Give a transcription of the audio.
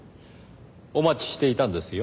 お待ちしていたんですよ。